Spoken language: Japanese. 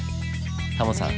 タモさん